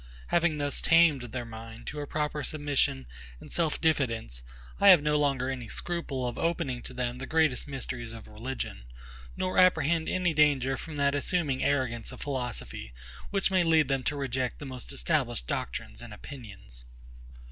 Having thus tamed their mind to a proper submission and self diffidence, I have no longer any scruple of opening to them the greatest mysteries of religion; nor apprehend any danger from that assuming arrogance of philosophy, which may lead them to reject the most established doctrines and opinions.